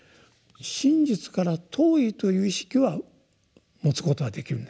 真実から遠いという意識は持つことができるんです。